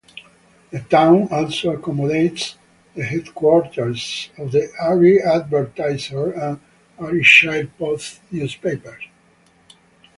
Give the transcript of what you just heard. The town also accommodates the headquarters of the "Ayr Advertiser" and "Ayrshire Post" newspapers.